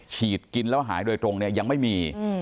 ฉีดกินแล้วหายโดยตรงเนี่ยยังไม่มี